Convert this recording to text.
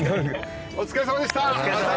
お疲れさまでした！